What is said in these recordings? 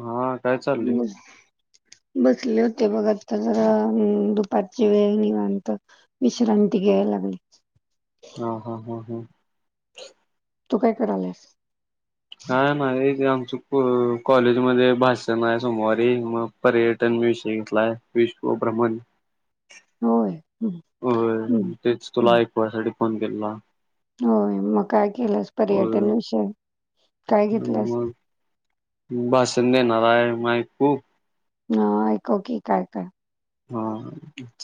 हा काय चाललंय? बसली होते बघ आत्ता घरात दुपारची वेळ निवांनत. विश्रांती घ्यायला लागली. ह, हा, हा हा तू काय करायल्यास? अः [unintelligible] नाहीे ते आमच कॉलेजमध्ये भाषण आहे, सोमवारी मग पर्यटन विषय घेतलाय. विश्व भ्रमण होय, हं, होय हं, मी तेच तुला हं. ऐकवयसाठी फोन केेलेला. होय मग काय केलंस पर्यटन विषय, काय घेतलंस? मग भाषण ने नाराय मायकू नाव ऐकंव की काय- काय हं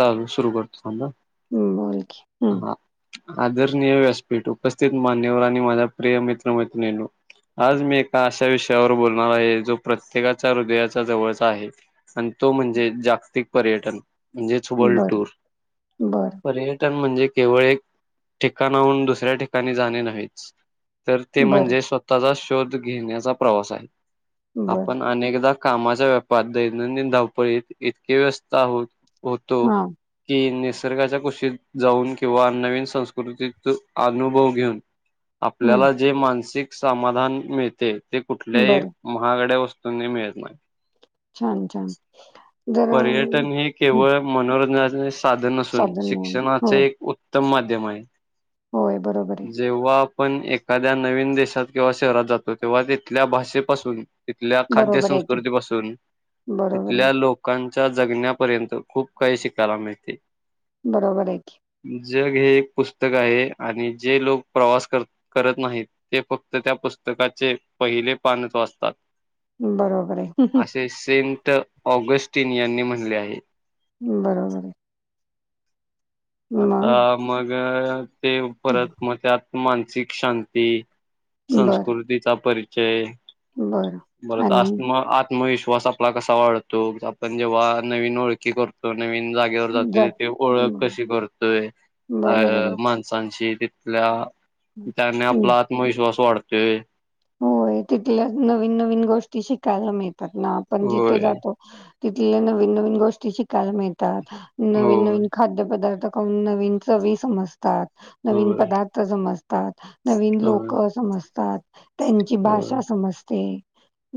चालू सुरू करतो थांब हं हम् बोल की, हं, हा आदरणीय व्यासपीठ उपस्थित मान्यवर आणि माझ्या प्रिय मित्र मैत्रीणी नो आज मी एका अशा विषयावर बोलणार आहे, जो प्रत्येकाच्या हृदयाच्या जवळचा आहे. आणि तो म्हणजे जागतिक पर्यटन म्हणजेच, वर्ल्ड बर टूर बर पर्यट तर म्हणजे केवळ एक ठिकाणाहून दुसऱ्या ठिकाणी जाणे नव्हेच. तर ते बर म्हणजे स्वतःचा शोध घेण्याचा प्रवास आहे, बर आपण अनेकदा कामाच्या व्यापात दैनंदिन धावपळीत इतके व्यस्थ आहोत, होतो. हा कि निसर्गाच्या कुशीत जाऊन किंवा नवीन संस्कृतीत अनुभव घेऊन, हं, आपल्याला 'जे मानसिक समाधान मिळते' ते कुठल्याही बर महागड्या वस्तूंनी मिळत नाही. छान -छान, जर अं, पर्यटन हे हं, केवळ मनोरंजनाचे साधन नसून, साधन नाही हो 'शिक्षणाचे एक उत्तम माध्यम आहे'. होय बरोबर आहे जेव्हां आपण एखाद्या नवीन देशात किंवा शहरात जातो, तेव्हा तिथल्या भाषेपासून 'तिथंल्या खाद्य बरोबर आहे की संस्कृती पासून, बरोबर आहे तिथल्या लोक' लोकांच्या जगण्यापर्यंत खूप काही शिकायला मिळते. बरोबर आहे की. जग हे एक पुस्तक आहे, आणि जे लोक प्रवास करत करत नाही, ते फक्त त्या पुस्तकाचे पहिले पानचं वाचतात. बरोबर आहे असे सेंट ऑगस्टिन यांनी म्हणले आहे. बरोबर ये. आता मग मग ते परत मग त्यात मानसिक शांती बरं संस्कृतीचा परिचय, बरं बरत आणि अस म आ आत्मविश्वास आपला कसा वाढतो, आपण जेव्हा नवीन ओळखी करतो नवीन जागी जागेवर जा जातोय ते ओळख हम्म, कशी करतोय, अ बरोबर आहे माणसांशी तिथंल्या त्याने हम्म, आपला आत्मविश्वास वाढतोय. होय तिथंल्या नवीन -नवीन गोष्टी शिकायला मिळतात ना, आपण जिथे होय जातो तिथंल्या नवीन -नवीन गोष्टी शिकायला मिळतात, नवीन होय -नवीन खाद्यपदार्थ खाऊन नवीन चवी समजतात. नवीन होय पदार्थ समजतात, नवीन होय लोक समजतात, त्यांची होय भाषा सम समजते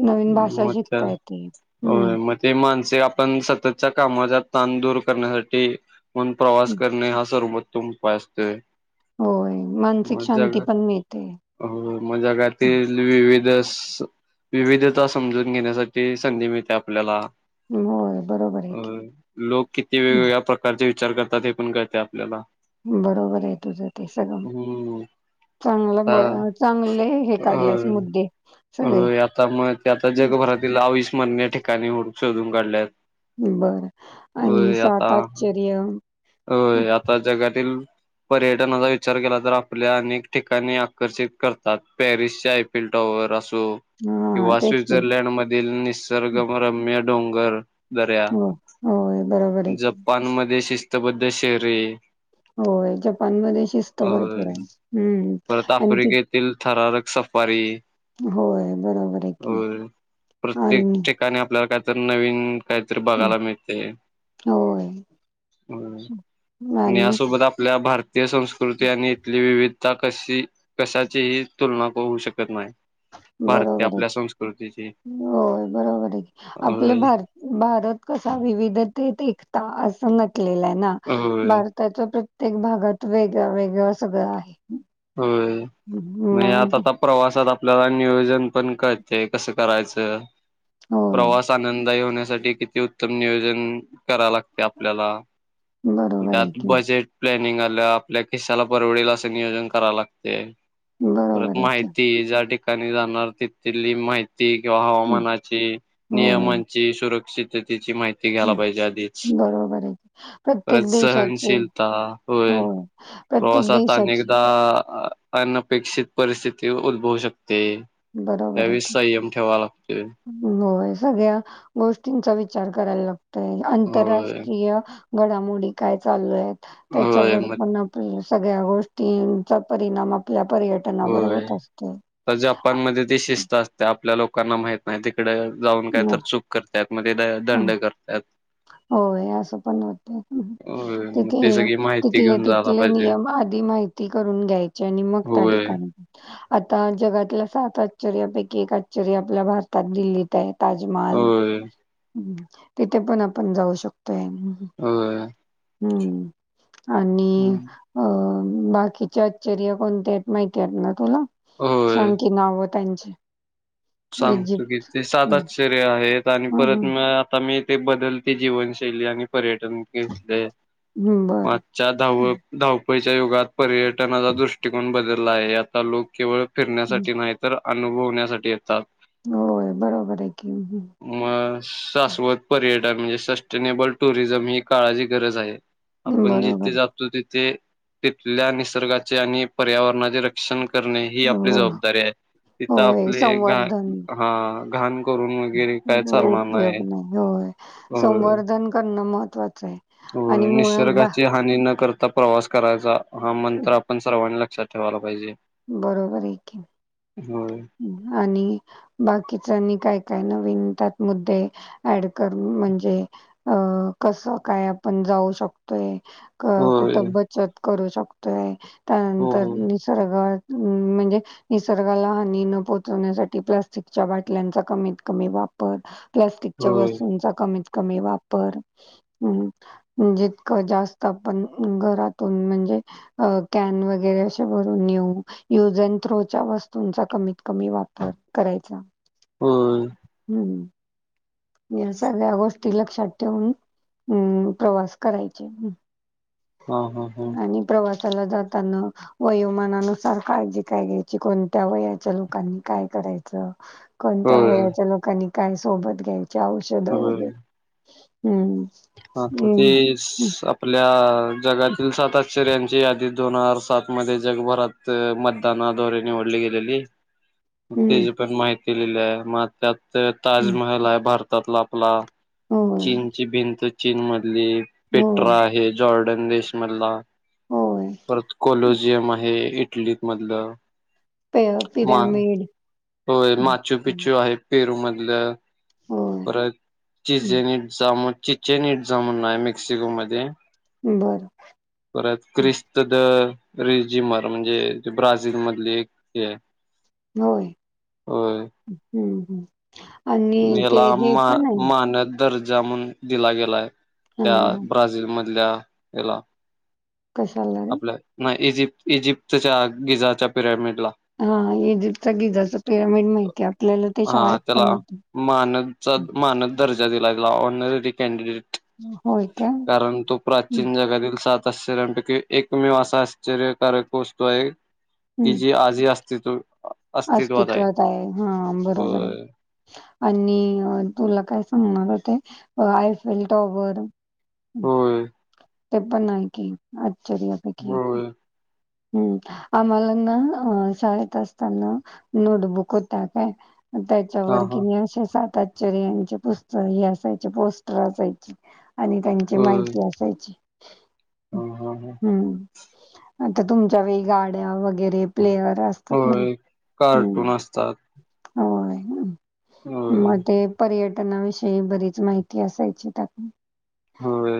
नवीन भाषा मग त्या शिकता येते, होय हम्म मग ते माणसे आपण सततच्या कामाचा ताण दूर करण्यासाठी पण प्रवास हम्म, करणे हा सर्वोत्तम उपाय असतोय. होय मानसिक मग जग शांती पण मिळते. हो म जगातील विविधस, विविध भाषा समजून घेण्यासाठी संधी मिळते आपल्याला. होय बरोबर आहे अ की. लोक किती हं, वेगवेगळा प्र प्रकारचे विचार करतात, हे पण कळते आपल्याला. बरोबर ये तुझं ते सगळं. हम्म चांगला आता मं चांगले हे काढल्यास होय मुद्दे सगळे होय आता मग ते आता हं, जगभरातील आविस्मरणीय ठिकाणी होडू शोधून काढल्यात. बर आणि सात आश्चर्य. हो आता जगातील पर्यटनाचा विचार केला तर आपल्या अनेक ठिकाणी आकर्षित करतात पॅरिसच्या एफेल टॉवर असो हा किंवा तेच की स्वीजरलैंड मधील नि हं, सर्गमरम्य डोंगर दऱ्या, हो होय बरोबर आहे की. जपानमध्ये शिस् च बद्ये शहरे. हो जपानमध्ये शिस्त होय भरपूर आहे हम्म परत आणि ति [unintelligible] थरारक सफारी. होय बरोबर आहे होय प्रत्येक आणि ठिकाणी आपल्याला काहीतरी नवीन काहीतरी हं, बघायला मिळते. होय. आणि आणि यासोबत आपल्या भारतीय संस्कृती आणि इथली विवि त्या कशी कशाचीही तुलना होऊ शकत नाही. भारतीय बरोबर आहे, आपल्या संस्कृतीची होय बरोबर आहे आपलं होय भारत भारत कसा विविधतेत एकता असं म्हटलेलं आहे ना. होय भारत त्याच प्रत्येक भागात वेगळ वेगळं सगळं आहे. होय, मि आता मग त प्रवासात आपल्याला नियोजन पण कडते कसं करायचं, होय प्रवास आनंददायी होण्यासाठी किती उत्तम नियोजन करा लाग ते आपल्याला, बरोबर आहे त्यात की बजेट प्लॅनिंग आलं आपल्या किस्साला परवडेल असं नियोजन कराव लागते. परत बरोबर आहे की. माहिती ज्या ठिकाणी जाणार तिथली माहि ती किंवा हं, हवामानाची, होय नियमांची, सुरक्षिततेची माहि ती घ्यायला हं, पाहिजे आधीच. बरोबर आहे. की. [inaudible] परत प्रत्येक देशाची सहनशीलता होय. प्रत्येक प्रवासात देशाची अनेकदा अनपेक्षित परिस्थिती उद्भवू शकते. त्यावी संयम ठेवा लागतोय. हो सगळ्या गोष्टींचा विचार करायला लागतोय होय आंतरराष्ट्रीय घडामोडी काय चालू आहेत होय त्याच्यावर मग पण सगळ्या गोष्टींचा परिणाम आपल्या पर्यटनावर होय. होत असतो. तर जपांमध्ये ती शिस्त असते आपल्या लोकांना माहित नाही तिकड जाऊन काय तर हं, चूक करतात मग ते द हं. दंड करतात. होय असं पण होतय. होय मग तिथे ते सगळी माहिती तिथले घेऊन जायला तिथले पाहिजे. नियम आधी माहिती करून घ्यायचे आणि मग त्या होय ठिका णी, आता जगातल्या सात आश्चर्यापैकी एक आश्चर्य आपल्या भारतात दिल्लीत आहे. ताजमहल होय तिथे पण आपण जाऊ शकतोय. हा. हम्म आणि अ बाकीचे आश्चर्य कोणत्या आहेत माहिती आहेत ना तुला? होय. सांग की नाव त्यांची. सांगतो इजिप्त की ते हं, सातच आहेत आणि हं, परत हं. म आता मी ते बदलते जीवनशैली आणि पर्यटन घेतले. हं, बरं. आजच्या धाव हं, धावपळीच्या युगात पर्यटनाचा दृष्टिकोन बदलला आहे आता लोक केवळ हं. फिरण्यासाठी नाहीत तर अनुभव होण्यासाठी येतात. होय बरोबर आहे की. मग शाश्वत पर्यटन म्हणजे सस्टेनेबल टुरिझम ही काळाची गरज आहे. हं. आपण बरोबर जिथे आहे. जातो तिथे तिथल्या निसर्गाचे आणि पर्यावरणाचे र क्षण करणे ही आपली हो, जबाबदारी आहे तिथ आप होय. घा संवर्धन हा घाण करून वगैरे काय चालणार उपयोग नाही होय संवर्धन करणं महत्वाचं आहे. हो आणि मुळात बा निसर्गाच्या आणि न करता प्रवास करायचा हा मंत्र आपण सर्वांनी लक्षात ठेवायला पाहिजे. बरोबर आहेे की होय, [inaudible] आणि बाकीच आणि काय काय नवीन त्यात मुद्दे ऍड करण म्हणजे अ कस काय आपण जाऊ शकतोय, - क होय, कुटं बचत करू शकतोय त्यानंतर होय, निसर्ग हम्म म्हणजे निसर्गाला हानी न पोहोचवण्यासाठी प्लास्टिकच्या बाटल्यांचा कमीत कमी वापर प्लास्टिकच्या होय, वस्तूंचा कमीत कमी वापर ह. जितकं जास्त आपण घरातून म्हणजे अ कॅन वगैरे अशे भरून नेयू. युज एन थ्रोच्या वस्तूंचा कमीत कमी वापर करायचा. होय. हम्म. या सगळ्या गोष्टी लक्षात ठेवून अम प्रवास करायचे. हां, हां, हां. [inaudible] आणि प्रवासाला जाताना वयोमानानुसार काळजी काय घ्यायची कोणत्या वयाच्या लोकांनी काय कराय कोणत्या होय, वयाच्या लोकांनी काय सोबत घ्यायचे औषध वगैरे. हम्म. हा तर ते आपल्या जगातील सात आश्चऱ्यांची यादी दोन हजार सात मध्ये जगभरात मतदानाद्वारे निवडली गेलेली. तेझी हं, पण माहिती लिहिली आहे मग त्यात ते हं. ताजमहल आहे भारतातला आपला. होय, चीनची भिंत चीन मधली, होय, पेट्रा आहे जॉर्डन देशमधला. होय. परत कोलोजियम आहे इटलीमधलं. प पिरॅमिड होय हं, माचू हं. पिचू आहे पेरूमधलं. होय. परत हं, चिचेन ईटजाम, चिचेन‌ ईटजाम म्हणून आहे मेक्सिको मध्ये. बरं. परत हं, उत्कृष्ट द रिजिमर म्हणजे ब्राझील मधली एक हे आहे. होय, होय हम्म हम्म. म हेला मा मानल दर्जा म्हणून दिला गेलाय ना त्या हां, ब्राझील मधल्या हेला. कशाला रे? आपल्या म इजिप्त इजिप्तच्या गिजाच्या पिरॅमिडला. हा इजिप्तचा गिजाचा पिरॅमिड माहिती आहे आपल्याला ते शाळेत पण होत. मानतचा मानद दर्जा दिला गेला ऑनररी कॅनडिडेट. होय. का? कारण तो हं, प्राचीन जगातील सात आश्चरपैकी एक मेव असा आश्चर्यकारक पोहचतो आहे की हं. जे आजी असतीत्व अस्तित्वात आहे हा बरोबर आहे. होय आणि तुला काय सांगणार होते आयफल टॉवर हं, होय. ते पण हाय की आश्चरयापैकी. होय हम्म आम्हालांना अ शाळेत असताना नोटबुक होत काय आणि त्यात त्याच्या हा वर हा कणी अशे सात अश्चरयांचे पुस्त हे असायचे पोस्टर असायचे. आणि त्यांची होय माहिती असायची, हा हा हा हम्म. आता तुमच्या वेळी गाड्या वगैरे प्लेअर अस. होय कार्टून असतात. हो, होय मग ते पर्यटनाविषयी बरीच माहिती असायची त्यात न. होय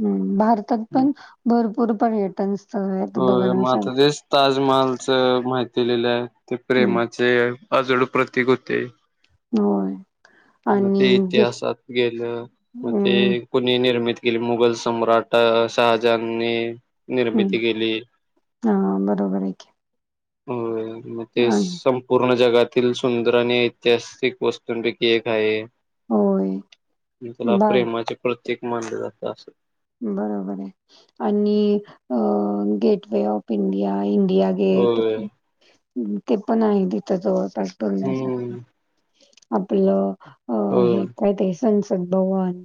[inaudible] हम्म भारतात पण भरपूर पर्यटन स्थळ हायत. हो म आता तेच ताजमहालच माहिती दिलेलं आहे, ते हं. प्रेम- चे आजुड प्रतीक होते. होय. मग आणि ते जे इतिहासात गेलं. मग ते हं, कुणी निर्मित केली मुघल सम्राट शहाजांनी हं. निर्मिती केली. हा बरोबर आहे की. [inaudible] हो मग ते आणि संपूर्ण जगातील सुंदर आणि ऐतिहासिक वस्तूं पैकी एक आहे होय. [inaudible] मग त्याला बघ प्रेमाचे प्रतीक मानलं जातं अस. बरोबर आहे आणि गेट व ऑफ इंडिया, इंडिया गेट होय ते पण आहे तिथ जवळ-पास हम्म [unintelligible] आपलं अ होय हे काय ते आहे संनसद भवन.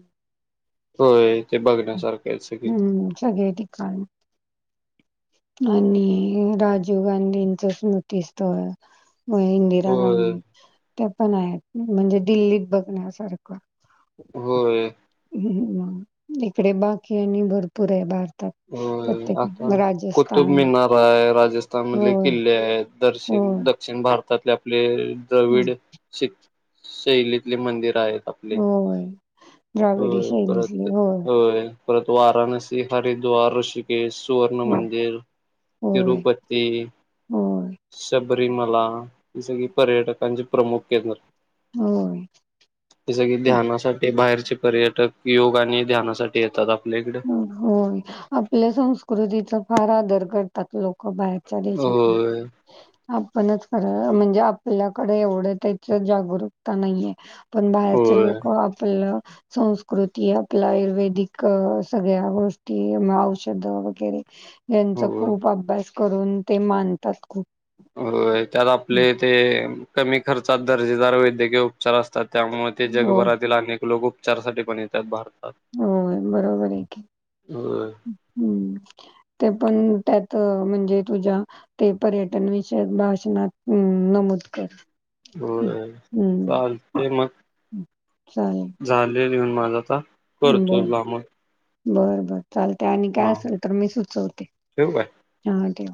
होय ते बघण्यासारखा हाय सगळी. हम्म सगळे ठिकाण. आणि राजीव गांधींचं स्मृतीस्थळ मग हे इंदिरा होय गांधी त्या पण आहेत म्हणजे दिल्लीत बघण्यासारखं. होय [inaudible] हम्म, इकडे बाकी आणि भरपूर आहे भार तात प्रत्येक राज तुब मिनारा आहे, राजस्थान मधले किल्ले आहे होय, दर्शिण दक्षिण भारतातले आपले हं, दविड श शैलीतले मंदिर आहे आ पले, होय. द्राविडी हो शैलीतली. परत होय. परत वाराणसी, हरिद्वार, ऋषिकेश, सुवर्ण हं, मंदिर, - होय, तिरूपती, - होय, शबरीमला ही सगळी पर्यटकांचे प्रमुख केंद्र. होय. जस की हं, ध्यानासाठी बाहेरचे पर्यटक योग आणि ध्यानासाठी येतात आपल्याकडे. होय आपल्या संस्कृतीचा फार आदर करतात लोक बाहेर चा देशात ही. होय आपणच खर म्हणजे आपल्याकडे एवढं त्याच जागरूकता नाहीये. पण बाहेरचे होय लोक आपलं संस्कृती, आपलं आयुर्वेदिक सगळ्या गोष्टी म औषध वगैरे यांचा होय खूप अभ्यास करून ते मानतात खूप. होय त्यात आपले हं, ते कमी खर्चात दर्जेदार वैद्यकीय उपचार असतात त्यामुळ ते होय, जगभरातील अनेक लोक उपचारसाठी पण येतात भारतात. होय बरोबर आहे की. होय हं. [inaudible] ते पण त्यात म्हणजे तुझ्या ते पर्यटन विषयक भाषणात अ नमूद कर. हा होय हम्म चालते मग चालेल. झाले लिहून माझा आता करतो लामण. बर बर चालते आणि काय असेल तर मी सुचवते, ठेवू काय हा ठेव.